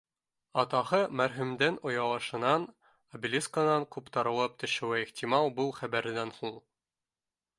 Атаһы мәрхүмдең оялышынан обелискынан ҡуптарылып төшөүе ихтимал был хәбәрҙән һуң